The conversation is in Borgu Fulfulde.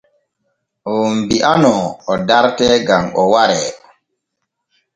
Oon bi’anoo o dartee gam o waree.